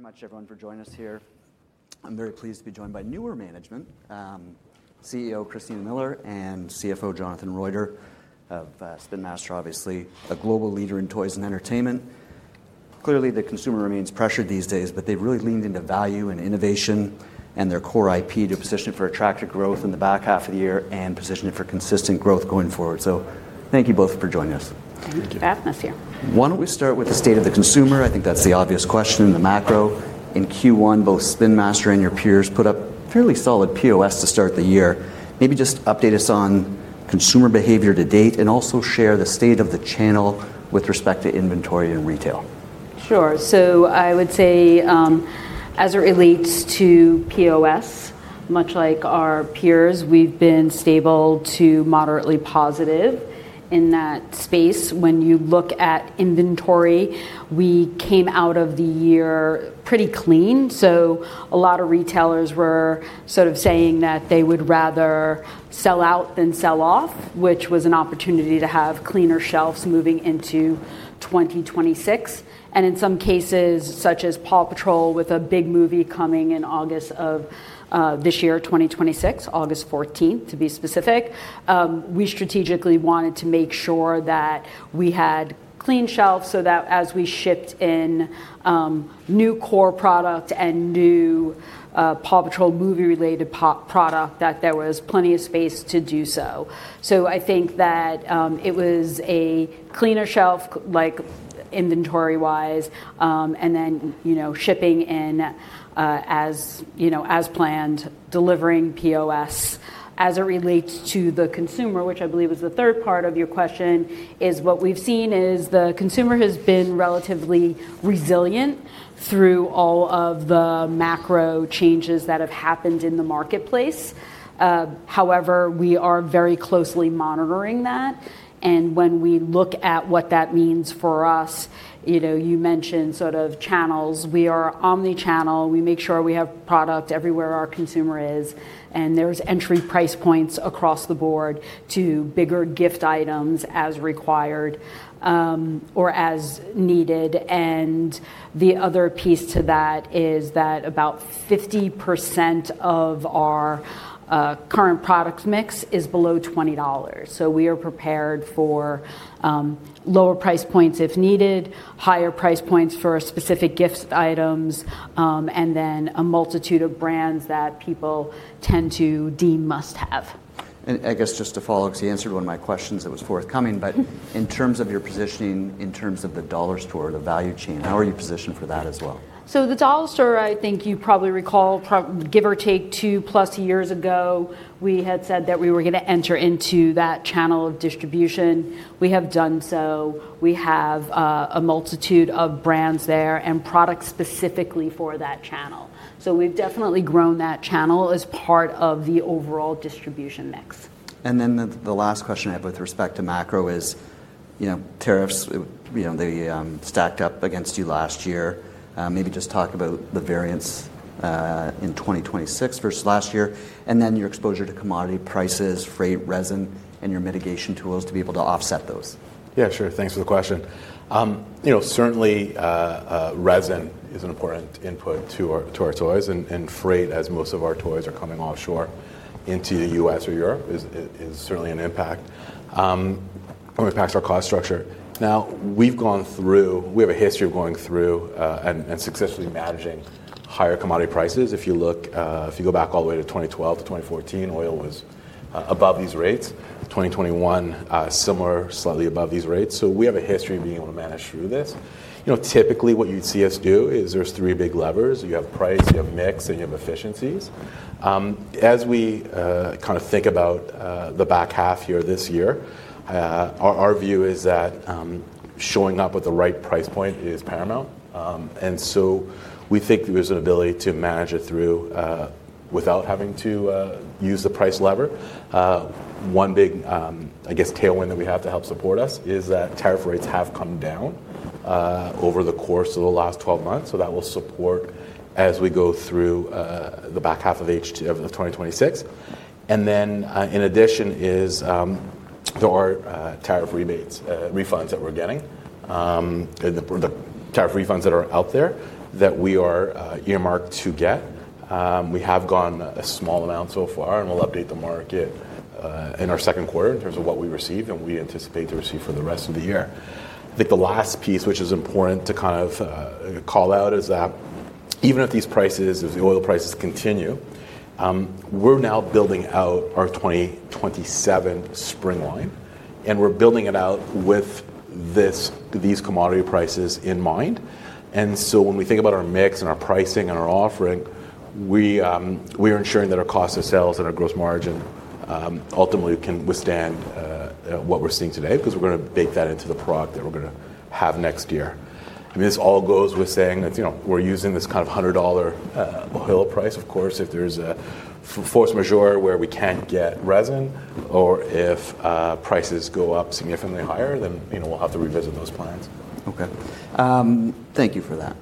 Very much everyone for joining us here. I'm very pleased to be joined by newer management, CEO Christina Miller and CFO Jonathan Roiter of Spin Master, obviously a global leader in toys and entertainment. Clearly, the consumer remains pressured these days, but they've really leaned into value and innovation and their core IP to position it for attractive growth in the back half of the year and position it for consistent growth going forward. Thank you both for joining us. Thank you. Thank you for having us here. Why don't we start with the state of the consumer? I think that's the obvious question in the macro. In Q1, both Spin Master and your peers put up fairly solid POS to start the year. Maybe just update us on consumer behavior to date and also share the state of the channel with respect to inventory and retail. Sure. I would say, as it relates to POS, much like our peers, we've been stable to moderately positive in that space. When you look at inventory, we came out of the year pretty clean, so a lot of retailers were sort of saying that they would rather sell out than sell off, which was an opportunity to have cleaner shelves moving into 2026. In some cases, such as PAW Patrol, with a big movie coming in August of this year, 2026, August 14th, to be specific, we strategically wanted to make sure that we had clean shelves so that as we shipped in new core product and new PAW Patrol movie-related product, that there was plenty of space to do so. I think that it was a cleaner shelf inventory-wise, and then shipping in as planned, delivering POS. As it relates to the consumer, which I believe is the third part of your question, is what we've seen is the consumer has been relatively resilient through all of the macro changes that have happened in the marketplace. We are very closely monitoring that and when we look at what that means for us, you mentioned sort of channels. We are omni-channel. We make sure we have product everywhere our consumer is, and there's entry price points across the board to bigger gift items as required or as needed. The other piece to that is that about 50% of our current product mix is below 20 dollars. We are prepared for lower price points if needed, higher price points for specific gift items, and then a multitude of brands that people tend to deem must-have. I guess just to follow, because you answered one of my questions that was forthcoming, but in terms of your positioning in terms of the dollar store, the value chain, how are you positioned for that as well? The dollar store, I think you probably recall, give or take 2+ years ago, we had said that we were going to enter into that channel of distribution. We have done so. We have a multitude of brands there and products specifically for that channel. We've definitely grown that channel as part of the overall distribution mix. The last question I have with respect to macro is tariffs. They stacked up against you last year. Maybe just talk about the variance in 2026 versus last year, and then your exposure to commodity prices, freight, resin, and your mitigation tools to be able to offset those. Yeah, sure. Thanks for the question. Certainly, resin is an important input to our toys, and freight, as most of our toys are coming offshore into the U.S. or Europe, is certainly an impact. It impacts our cost structure. Now, we have a history of going through and successfully managing higher commodity prices. If you go back all the way to 2012-2014, oil was above these rates. 2021, similar, slightly above these rates. We have a history of being able to manage through this. Typically, what you'd see us do is there's three big levers. You have price, you have mix, and you have efficiencies. As we kind of think about the back half here this year, our view is that showing up with the right price point is paramount. We think there's an ability to manage it through without having to use the price lever. One big, I guess, tailwind that we have to help support us is that tariff rates have come down over the course of the last 12 months. That will support as we go through the back half of 2026. In addition, there are tariff refunds that we're getting, the tariff refunds that are out there that we are earmarked to get. We have gotten a small amount so far, and we'll update the market in our second quarter in terms of what we received and we anticipate to receive for the rest of the year. I think the last piece, which is important to kind of call out, is that even if these prices, if the oil prices continue, we're now building out our 2027 spring line, and we're building it out with these commodity prices in mind. When we think about our mix and our pricing and our offering, we are ensuring that our cost of sales and our gross margin ultimately can withstand what we're seeing today because we're going to bake that into the product that we're going to have next year. I mean, this all goes with saying that we're using this kind of 100 dollar oil price. Of course, if there's a force majeure where we can't get resin or if prices go up significantly higher, then we'll have to revisit those plans. Okay. Thank you for that.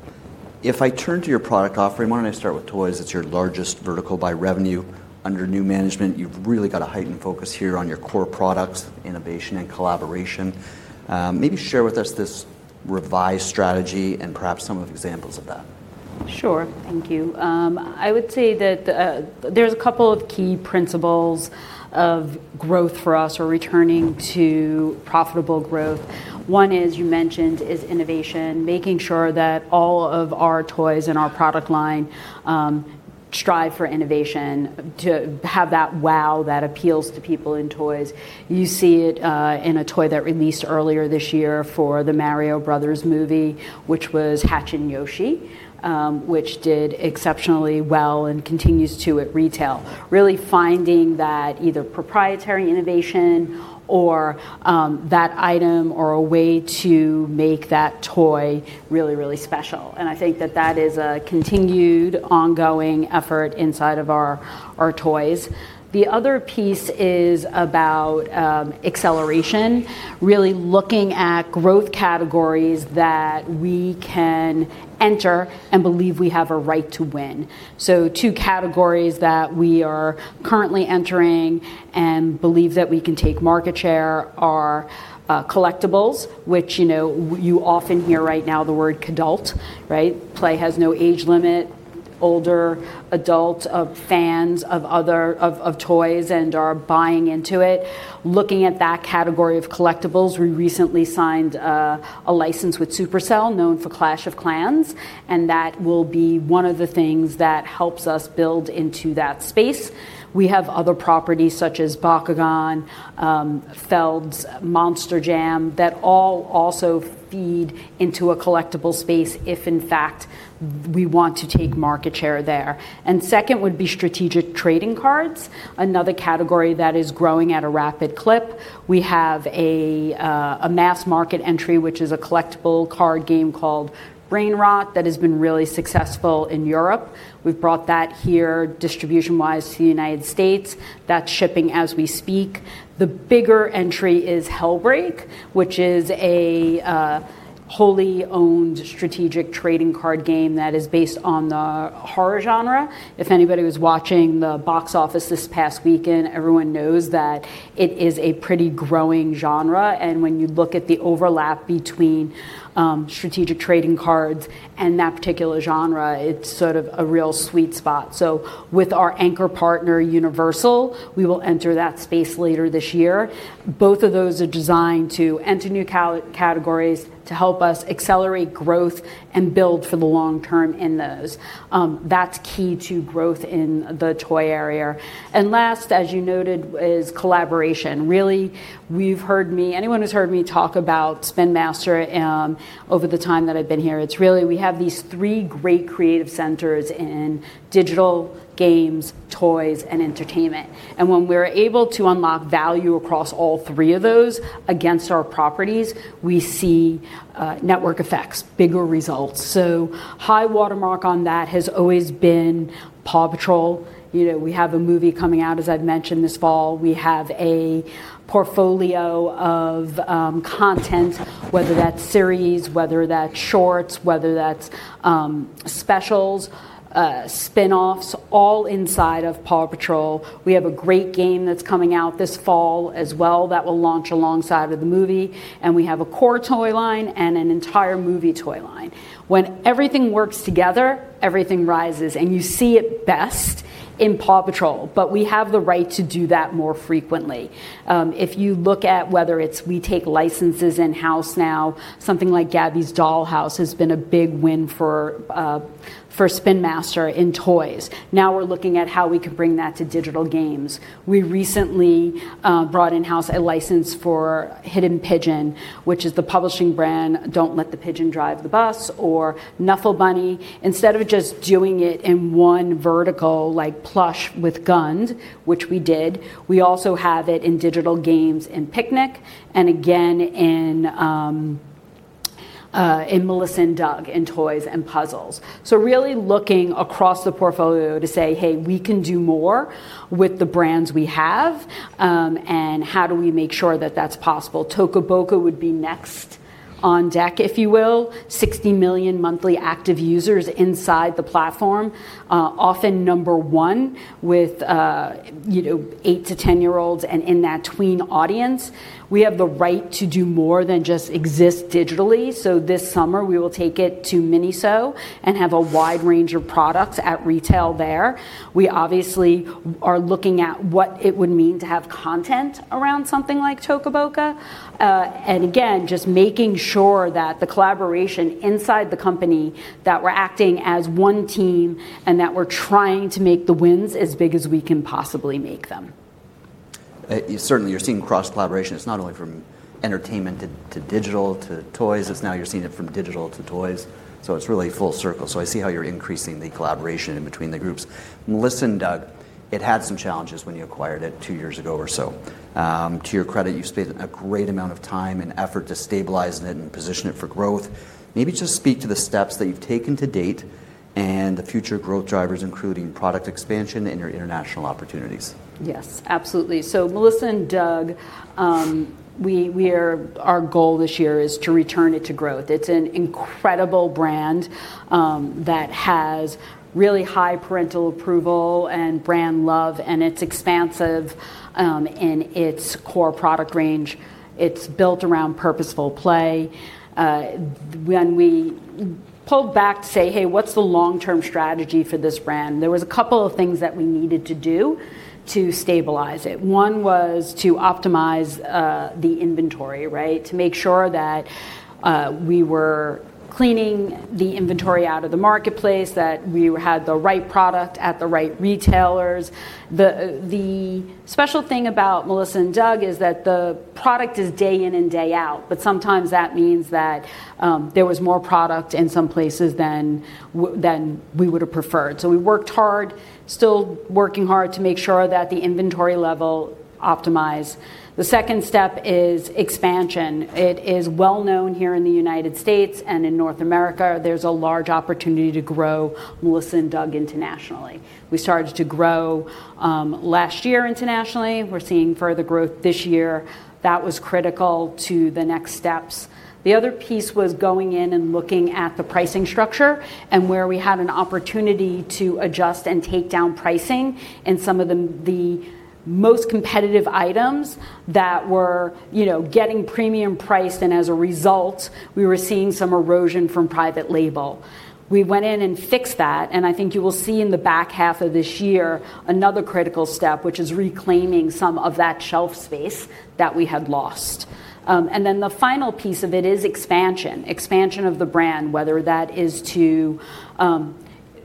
If I turn to your product offering, why don't I start with toys? It's your largest vertical by revenue. Under new management, you've really got a heightened focus here on your core products, innovation, and collaboration. Maybe share with us this revised strategy and perhaps some of the examples of that. Sure. Thank you. I would say that there's a couple of key principles of growth for us, or returning to profitable growth. One is, you mentioned, is innovation, making sure that all of our toys and our product line strive for innovation to have that wow that appeals to people in toys. You see it in a toy that released earlier this year for the Mario Bros. movie, which was Hatchin' Yoshi, which did exceptionally well and continues to at retail. Really finding that either proprietary innovation or that item, or a way to make that toy really, really special. I think that that is a continued, ongoing effort inside of our toys. The other piece is about acceleration, really looking at growth categories that we can enter and believe we have a right to win. Two categories that we are currently entering and believe that we can take market share are collectibles, which you often hear right now the word adult. Play has no age limit, older adult of fans, of other of toys and are buying into it. Looking at that category of collectibles, we recently signed a license with Supercell, known for Clash of Clans, and that will be one of the things that helps us build into that space. We have other properties such as Bakugan, Felds, Monster Jam, that all also feed into a collectible space if in fact we want to take market share there. Second would be strategic trading cards, another category that is growing at a rapid clip. We have a mass market entry, which is a collectible card game called Rainborcons that has been really successful in Europe. We've brought that here distribution-wise to the United States That's shipping as we speak. The bigger entry is Hellbreak, which is a wholly owned strategic trading card game that is based on the horror genre. If anybody was watching the box office this past weekend, everyone knows that it is a pretty growing genre, and when you look at the overlap between strategic trading cards and that particular genre, it's sort of a real sweet spot. With our anchor partner, Universal, we will enter that space later this year. Both of those are designed to enter new categories to help us accelerate growth and build for the long-term in those. That's key to growth in the toy area. Last, as you noted, is collaboration. Really, anyone who's heard me talk about Spin Master over the time that I've been here, it's really we have these three great creative centers in digital games, toys, and entertainment. When we're able to unlock value across all three of those against our properties, we see network effects, bigger results. High watermark on that has always been PAW Patrol. We have a movie coming out, as I'd mentioned, this fall. We have a portfolio of content, whether that's series, whether that's shorts, whether that's specials, spinoffs, all inside of PAW Patrol. We have a great game that's coming out this fall as well that will launch alongside of the movie, and we have a core toy line and an entire movie toy line. When everything works together, everything rises, and you see it best in PAW Patrol. We have the right to do that more frequently. If you look at whether it's we take licenses in-house now, something like Gabby's Dollhouse has been a big win for Spin Master in toys. Now we're looking at how we could bring that to digital games. We recently brought in-house a license for Hidden Pigeon, which is the publishing brand, Don't Let the Pigeon Drive the Bus! or Knuffle Bunny. Instead of just doing it in one vertical, like plush with GUND, which we did, we also have it in digital games in Piknik, and again in Melissa & Doug in toys and puzzles. Really looking across the portfolio to say, Hey, we can do more with the brands we have," and how do we make sure that that's possible? Toca Boca would be next on deck, if you will. 60 million monthly active users inside the platform. Often number one with 8-10 year-olds and in that tween audience. We have the right to do more than just exist digitally, so this summer we will take it to MINISO and have a wide range of products at retail there. We obviously are looking at what it would mean to have content around something like Toca Boca. Again, just making sure that the collaboration inside the company, that we're acting as one team, and that we're trying to make the wins as big as we can possibly make them. Certainly, you're seeing cross-collaboration. It's not only from entertainment to digital to toys. It's now you're seeing it from digital to toys. It's really full circle. I see how you're increasing the collaboration in between the groups. Melissa & Doug, it had some challenges when you acquired it two years ago or so. To your credit, you've spent a great amount of time and effort to stabilize it and position it for growth. Maybe just speak to the steps that you've taken to date and the future growth drivers, including product expansion and your international opportunities. Yes, absolutely. Melissa & Doug, our goal this year is to return it to growth. It's an incredible brand that has really high parental approval and brand love, and it's expansive in its core product range. It's built around purposeful play. When we pulled back to say, Hey, what's the long-term strategy for this brand? There was a couple of things that we needed to do to stabilize it. One was to optimize the inventory, to make sure that we were cleaning the inventory out of the marketplace, that we had the right product at the right retailers. The special thing about Melissa & Doug is that the product is day in and day out, but sometimes that means that there was more product in some places than we would have preferred. We worked hard, still working hard, to make sure that the inventory level optimize. The second step is expansion. It is well known here in the United States and in North America. There's a large opportunity to grow Melissa & Doug internationally. We started to grow last year internationally. We're seeing further growth this year. That was critical to the next steps. The other piece was going in and looking at the pricing structure and where we had an opportunity to adjust and take down pricing in some of the most competitive items that were getting premium priced, and as a result, we were seeing some erosion from private label. We went in and fixed that, and I think you will see in the back half of this year another critical step, which is reclaiming some of that shelf space that we had lost. The final piece of it is expansion of the brand, whether that is to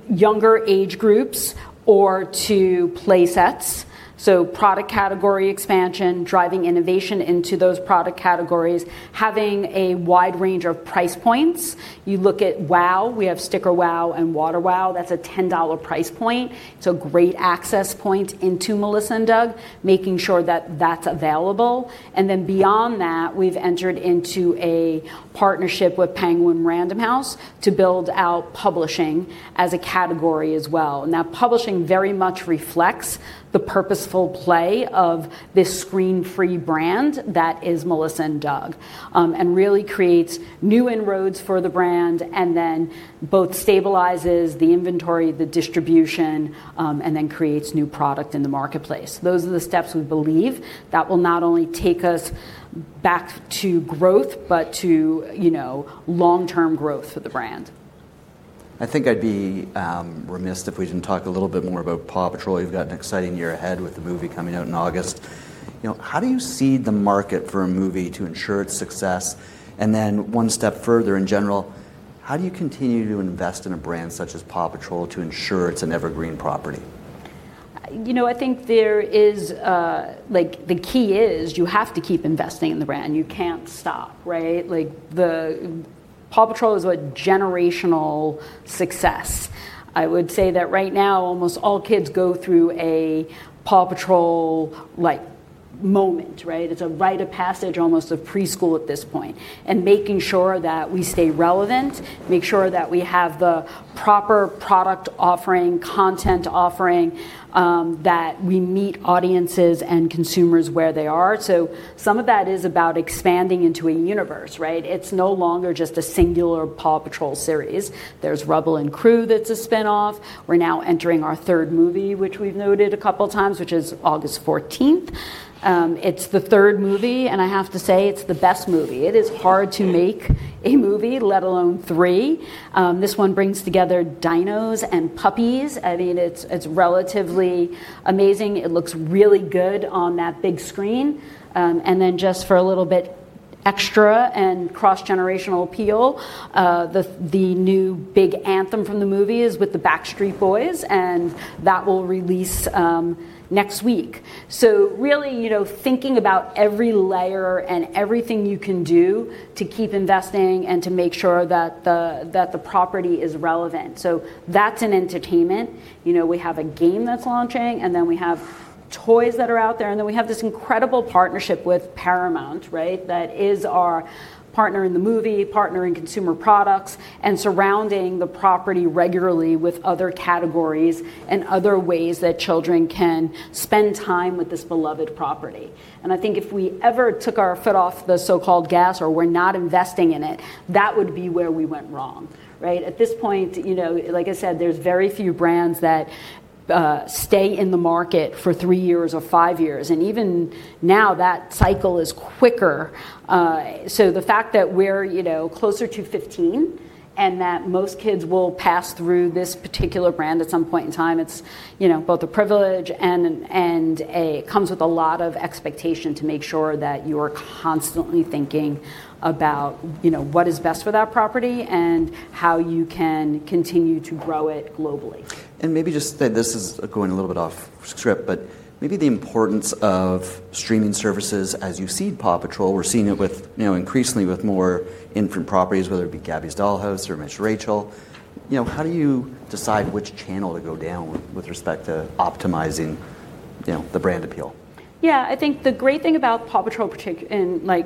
younger age groups or to play sets. Product category expansion, driving innovation into those product categories, having a wide range of price points. You look at WOW, we have Sticker WOW! and Water WOW!. That's a 10 dollar price point. It's a great access point into Melissa & Doug, making sure that that's available. Beyond that, we've entered into a partnership with Penguin Random House to build out publishing as a category as well. Publishing very much reflects the purposeful play of this screen-free brand that is Melissa & Doug. Really creates new inroads for the brand, and then both stabilizes the inventory, the distribution, and then creates new product in the marketplace. Those are the steps we believe that will not only take us back to growth, but to long-term growth for the brand. I think I'd be remiss if we didn't talk a little bit more about PAW Patrol. You've got an exciting year ahead with the movie coming out in August. How do you seed the market for a movie to ensure its success? One step further, in general, how do you continue to invest in a brand such as PAW Patrol to ensure it's an evergreen property? I think the key is you have to keep investing in the brand. You can't stop. PAW Patrol is a generational success. I would say that right now, almost all kids go through a PAW Patrol moment. It's a rite of passage almost of preschool at this point. Making sure that we stay relevant, make sure that we have the proper product offering, content offering, that we meet audiences and consumers where they are. Some of that is about expanding into a universe. It's no longer just a singular PAW Patrol series. There's Rubble & Crew that's a spinoff. We're now entering our third movie, which we've noted a couple of times, which is August 14th. It's the third movie, and I have to say, it's the best movie. It is hard to make a movie, let alone three. This one brings together dinos and puppies. It's relatively amazing. It looks really good on that big screen. Just for a little bit extra and cross-generational appeal, the new big anthem from the movie is with the Backstreet Boys, and that will release next week. Really thinking about every layer and everything you can do to keep investing and to make sure that the property is relevant. That's in entertainment. We have a game that's launching, we have toys that are out there, we have this incredible partnership with Paramount that is our partner in the movie, partner in consumer products, and surrounding the property regularly with other categories and other ways that children can spend time with this beloved property. I think if we ever took our foot off the so-called gas or were not investing in it, that would be where we went wrong. At this point, like I said, there's very few brands that stay in the market for three years or five years, and even now, that cycle is quicker. The fact that we're closer to 15 and that most kids will pass through this particular brand at some point in time, it's both a privilege and comes with a lot of expectation to make sure that you are constantly thinking about what is best for that property and how you can continue to grow it globally. Maybe, this is going a little bit off script, but maybe the importance of streaming services as you seed PAW Patrol. We're seeing it increasingly with more infant properties, whether it be Gabby's Dollhouse or Ms. Rachel. How do you decide which channel to go down with respect to optimizing the brand appeal? I think the great thing about PAW Patrol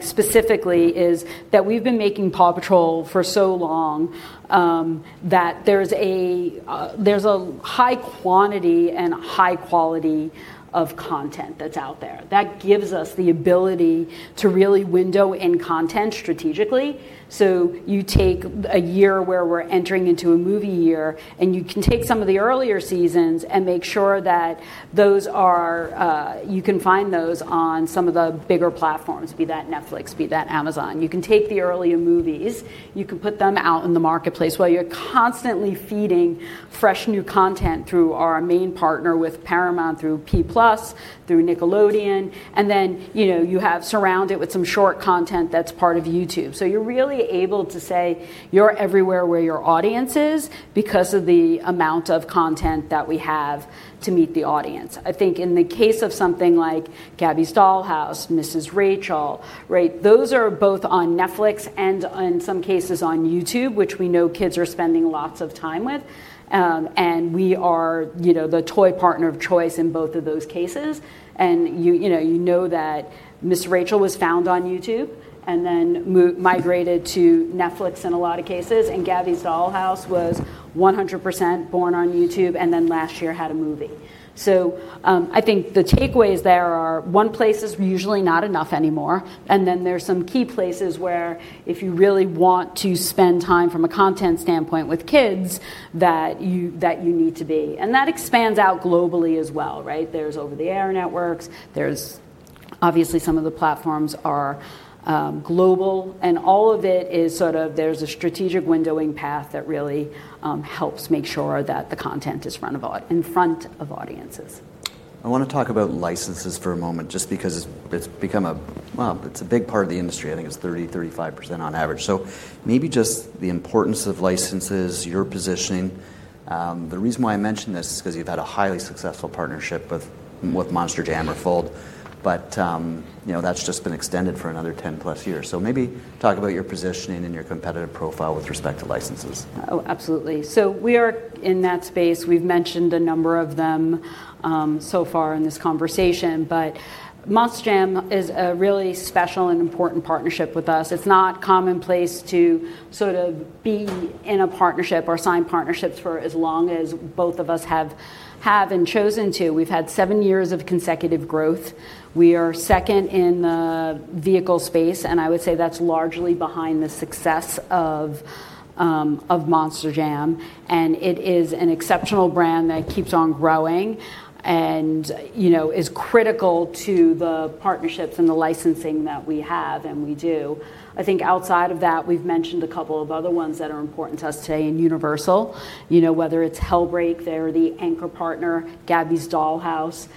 specifically is that we've been making PAW Patrol for so long, that there's a high quantity and high quality of content that's out there. That gives us the ability to really window in content strategically. You take a year where we're entering into a movie year, and you can take some of the earlier seasons and make sure that you can find those on some of the bigger platforms, be that Netflix, be that Amazon. You can take the earlier movies, you can put them out in the marketplace while you're constantly feeding fresh new content through our main partner with Paramount, through P+, through Nickelodeon, you have surrounded with some short content that's part of YouTube. You're really able to say you're everywhere where your audience is because of the amount of content that we have to meet the audience. I think in the case of something like Gabby's Dollhouse, Ms. Rachel, right, those are both on Netflix and in some cases on YouTube, which we know kids are spending lots of time with. We are the toy partner of choice in both of those cases. You know that Ms. Rachel was found on YouTube and then migrated to Netflix in a lot of cases, and Gabby's Dollhouse was 100% born on YouTube, and then last year had a movie. I think the takeaways there are one place is usually not enough anymore. There's some key places where if you really want to spend time from a content standpoint with kids, that you need to be. That expands out globally as well, right? There's over-the-air networks, there's obviously some of the platforms are global, all of it is sort of, there's a strategic windowing path that really helps make sure that the content is in front of audiences. I want to talk about licenses for a moment just because it's become a big part of the industry. I think it's 30%, 35% on average. So maybe just the importance of licenses, your positioning. The reason why I mention this is because you've had a highly successful partnership with Monster Jam, but that's just been extended for another 10+ years. So maybe talk about your positioning and your competitive profile with respect to licenses. Oh, absolutely. We are in that space. We've mentioned a number of them so far in this conversation. Monster Jam is a really special and important partnership with us. It's not commonplace to sort of be in a partnership or sign partnerships for as long as both of us have and chosen to. We've had seven years of consecutive growth. We are second in the vehicle space. I would say that's largely behind the success of Monster Jam. It is an exceptional brand that keeps on growing and is critical to the partnerships and the licensing that we have, and we do. I think outside of that, we've mentioned a couple of other ones that are important to us today in Universal. Whether it's Hellbreak, they're the anchor partner, Gabby's Dollhouse.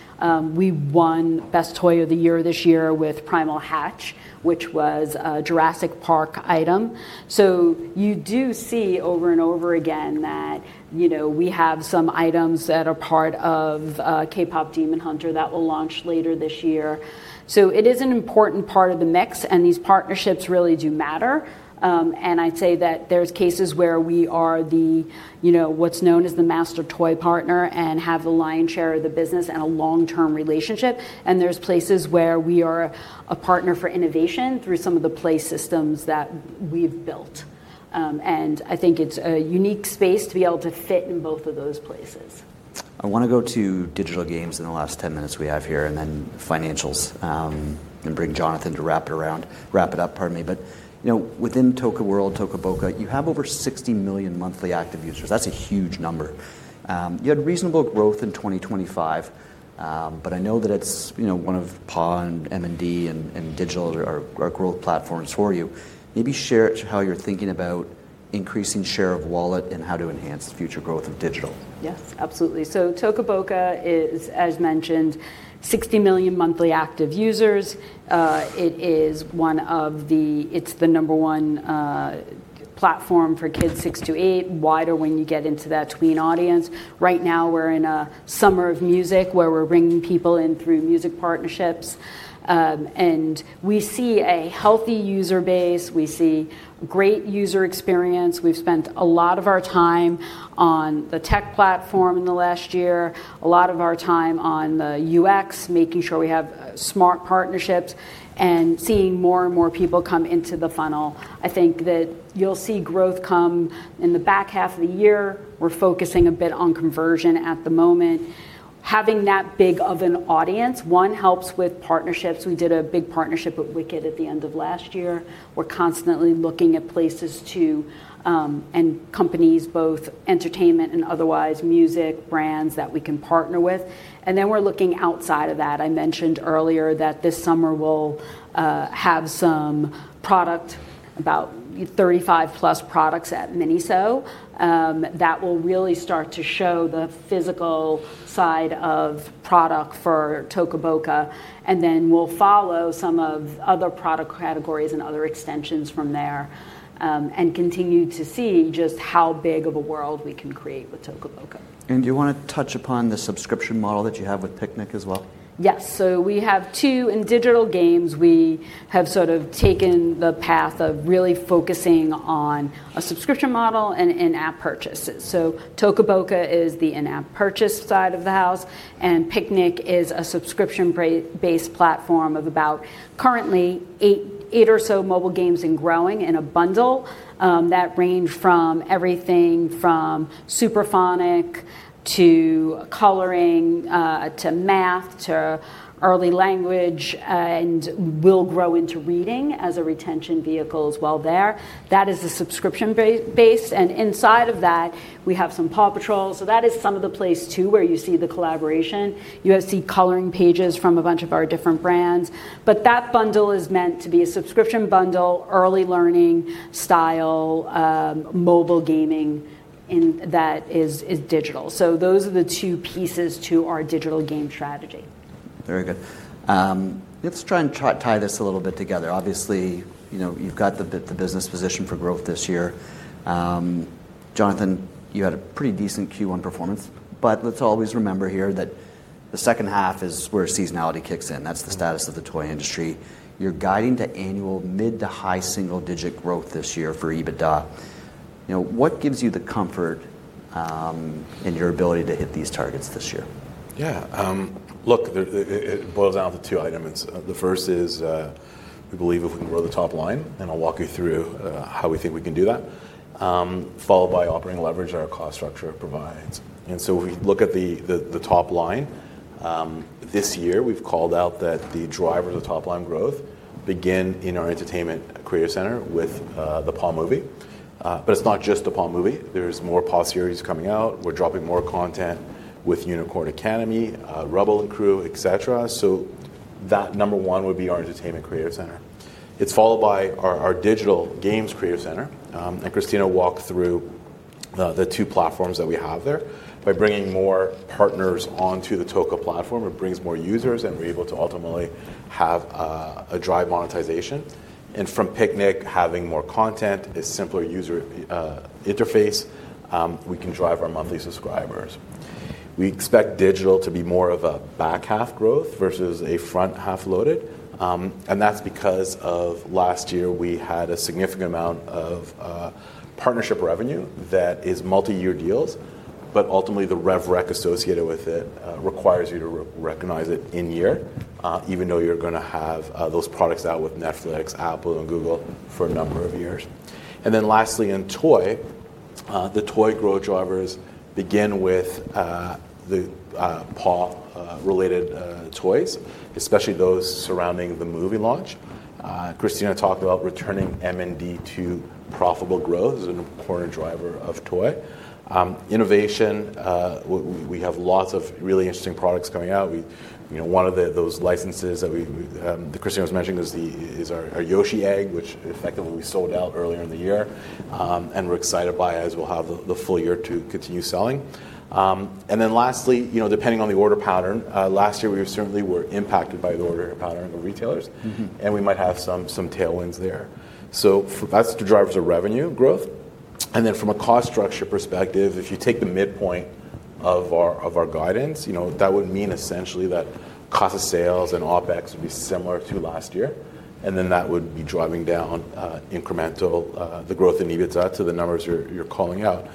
We won best toy of the year this year with Primal Hatch, which was a Jurassic World item. You do see over and over again that we have some items that are part of KPop Demon Hunters that will launch later this year. It is an important part of the mix, and these partnerships really do matter. I'd say that there's cases where we are what's known as the master toy partner and have the lion's share of the business and a long-term relationship. There's places where we are a partner for innovation through some of the play systems that we've built. I think it's a unique space to be able to fit in both of those places. I want to go to digital games in the last 10 minutes we have here, then financials, and bring Jonathan to wrap it up. Within Toca World, Toca Boca, you have over 60 million monthly active users. That's a huge number. You had reasonable growth in 2025. I know that it's one of Paw, and M&D and digital are growth platforms for you. Maybe share how you're thinking about increasing share of wallet and how to enhance the future growth of digital. Yes, absolutely. Toca Boca is, as mentioned, 60 million monthly active users. It's the number one platform for kids 6-8, wider when you get into that tween audience. Right now, we're in a summer of music where we're bringing people in through music partnerships. We see a healthy user base. We see great user experience. We've spent a lot of our time on the tech platform in the last year, a lot of our time on the UX, making sure we have smart partnerships, and seeing more and more people come into the funnel. I think that you'll see growth come in the back half of the year. We're focusing a bit on conversion at the moment. Having that big of an audience, one, helps with partnerships. We did a big partnership with Wicked at the end of last year. We're constantly looking at places to, and companies, both entertainment and otherwise, music, brands that we can partner with. We're looking outside of that. I mentioned earlier that this summer we'll have some product, about 35+ products at MINISO, that will really start to show the physical side of product for Toca Boca, and then we'll follow some of other product categories and other extensions from there, and continue to see just how big of a world we can create with Toca Boca. Do you want to touch upon the subscription model that you have with Piknik as well? Yes. We have two. In digital games, we have sort of taken the path of really focusing on a subscription model and in-app purchases. Toca Boca is the in-app purchase side of the house, and Piknik is a subscription-based platform of about currently eight or so mobile games and growing in a bundle, that range from everything from super phonic to coloring, to math, to early language, and will grow into reading as a retention vehicle as well there. That is the subscription-based. Inside of that, we have some PAW Patrol. That is some of the place, too, where you see the collaboration. You see coloring pages from a bunch of our different brands. That bundle is meant to be a subscription bundle, early learning style, mobile gaming, and that is digital. Those are the two pieces to our digital game strategy. Very good. Let's try and tie this a little bit together. Obviously, you've got the business positioned for growth this year. Jonathan, you had a pretty decent Q1 performance, but let's always remember here that the second half is where seasonality kicks in. That's the status of the toy industry. You're guiding to annual mid to high single-digit growth this year for EBITDA. What gives you the comfort in your ability to hit these targets this year? Look, it boils down to two items. The first is, we believe if we can grow the top line, and I'll walk you through how we think we can do that, followed by operating leverage our cost structure provides. If we look at the top line, this year, we've called out that the driver of the top line growth begin in our entertainment creative center with the PAW movie. It's not just the PAW movie. There's more PAW series coming out. We're dropping more content with Unicorn Academy, Rubble & Crew, et cetera. That, number one, would be our entertainment creative center. It's followed by our digital games creative center. Christina walked through the two platforms that we have there. By bringing more partners onto the Toca platform, it brings more users, and we're able to ultimately have a drive monetization. From Piknik having more content, a simpler user interface, we can drive our monthly subscribers. We expect digital to be more of a back half growth versus a front half loaded. That's because of last year, we had a significant amount of partnership revenue that is multi-year deals, but ultimately the rev rec associated with it requires you to recognize it in year, even though you're going to have those products out with Netflix, Apple, and Google for a number of years. Lastly, in toy, the toy growth drivers begin with the PAW related toys, especially those surrounding the movie launch. Christina talked about returning M&D to profitable growth as an important driver of toy. Innovation, we have lots of really interesting products coming out. One of those licenses that Christina was mentioning is our Hatchin' Yoshi, which effectively we sold out earlier in the year, and we're excited by as we'll have the full year to continue selling. Lastly, depending on the order pattern, last year we certainly were impacted by the order pattern of retailers. We might have some tailwinds there. That's the drivers of revenue growth. From a cost structure perspective, if you take the midpoint of our guidance, that would mean essentially that cost of sales and OpEx would be similar to last year. That would be driving down incremental, the growth in EBITDA to the numbers you're calling out.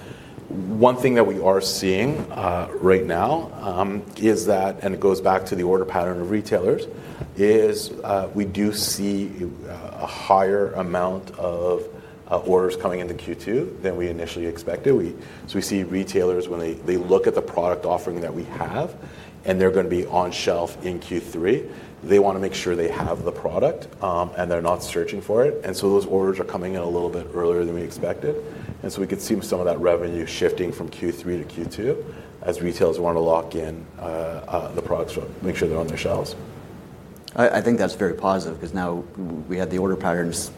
One thing that we are seeing right now is that, and it goes back to the order pattern of retailers, is we do see a higher amount of orders coming into Q2 than we initially expected. We see retailers when they look at the product offering that we have, and they're going to be on shelf in Q3, they want to make sure they have the product, and they're not searching for it. Those orders are coming in a little bit earlier than we expected. We could see some of that revenue shifting from Q3-Q2 as retailers want to lock in the products, make sure they're on their shelves. I think that's very positive because now we had the order patterns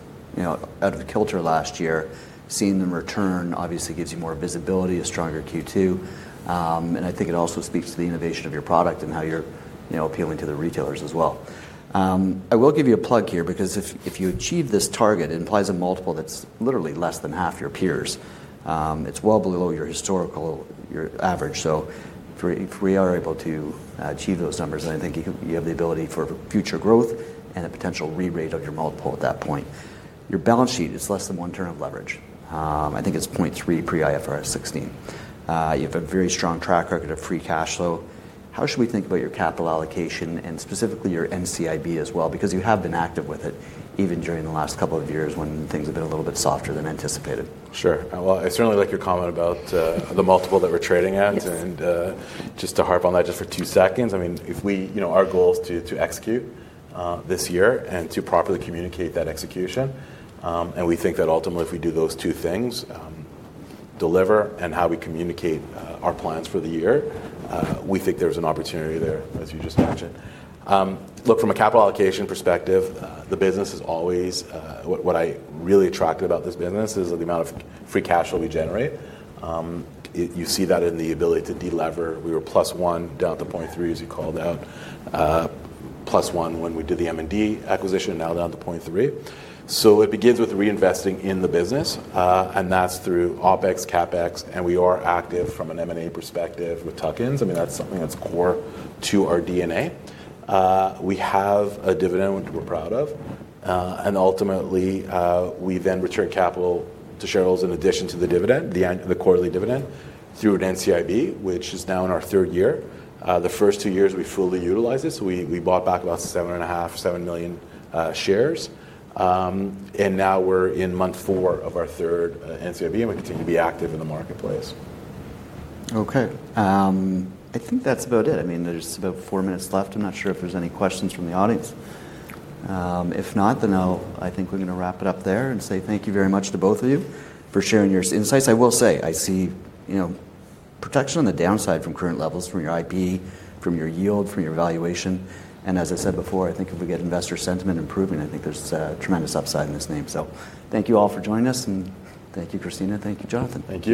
out of kilter last year. Seeing them return obviously gives you more visibility, a stronger Q2, and I think it also speaks to the innovation of your product and how you're appealing to the retailers as well. I will give you a plug here because if you achieve this target, it implies a multiple that's literally less than half your peers. It's well below your historical, your average. If we are able to achieve those numbers, then I think you have the ability for future growth and a potential rerate of your multiple at that point. Your balance sheet is less than one turn of leverage. I think it's 0.3 pre IFRS 16. You have a very strong track record of free cash flow. How should we think about your capital allocation and specifically your NCIB as well? You have been active with it even during the last couple of years when things have been a little bit softer than anticipated. Sure. Well, I certainly like your comment about the multiple that we're trading at. Yes. Just to harp on that just for two seconds, our goal is to execute this year and to properly communicate that execution. We think that ultimately if we do those two things, deliver and how we communicate our plans for the year, we think there's an opportunity there, as you just mentioned. Look, from a capital allocation perspective, what I really attracted about this business is the amount of free cash flow we generate. You see that in the ability to delever. We were +1, down to 0.3, as you called out. +1 when we did the Melissa & Doug acquisition, now down to 0.3. It begins with reinvesting in the business, and that's through OpEx, CapEx, and we are active from an M&A perspective with tuck-ins. That's something that's core to our DNA. We have a dividend, which we're proud of. Ultimately, we then return capital to shareholders in addition to the dividend, the quarterly dividend, through an NCIB, which is now in our third year. The first two years, we fully utilized this. We bought back about 7,000,000 shares. Now we're in month four of our third NCIB, and we continue to be active in the marketplace. Okay. I think that's about it. There's about four minutes left. I'm not sure if there's any questions from the audience. If not, then I think we're going to wrap it up there and say thank you very much to both of you for sharing your insights. I will say, I see protection on the downside from current levels, from your IP, from your yield, from your valuation. As I said before, I think if we get investor sentiment improving, I think there's tremendous upside in this name. Thank you all for joining us, and thank you, Christina. Thank you, Jonathan. Thank you